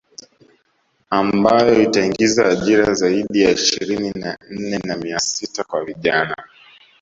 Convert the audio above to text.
Ambayo itaingiza ajira zaidi ya ishirini na nne na mia sita kwa vijana